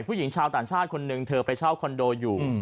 ผู้หญิงชาวต่างชาติคนหนึ่งเธอไปเช่าคอนโดอยู่